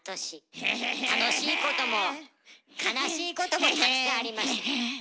楽しいことも悲しいこともたくさんありました。